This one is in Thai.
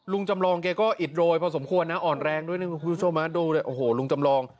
จำลองแกก็อิดโรยพอสมควรนะอ่อนแรงด้วยนะคุณผู้ชมดูเลยโอ้โหลุงจำลอง